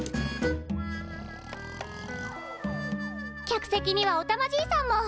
客席にはおたまじいさんも。